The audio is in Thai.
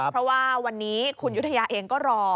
เพราะว่าวันนี้คุณยุธยาเองก็รอ